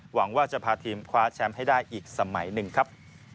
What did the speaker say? หวังว่าจะพาทีมคว้าแชมป์ให้ได้อีกสมัยหนึ่งครับ